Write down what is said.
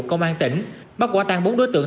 công an tỉnh bắt quả tăng bốn đối tượng